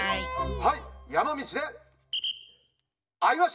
はい。